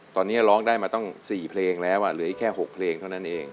ตอนนี้ร้องได้มาตั้ง๔เพลงแล้วเหลืออีกแค่๖เพลงเท่านั้นเอง